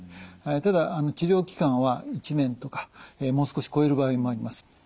ただ治療期間は１年とかもう少し超える場合もあります。